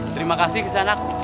terima kasih bisaanak